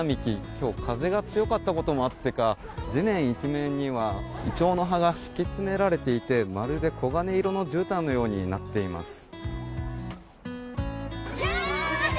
今日風が強かったこともあってか地面一面にはイチョウの葉が敷き詰められていてまるで黄金色のじゅうたんのようになっています。